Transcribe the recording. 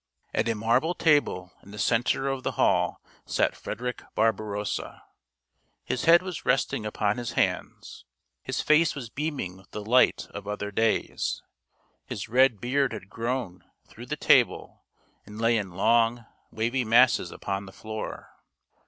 At a marble table in the center of the hall sat Frederick Barbarossa. His head was resting upon his hands ; his face was beaming with the light of other days; his red beard had grown through the table and lay in long, wavy masses upon the floor.